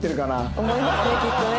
思いますねきっとね。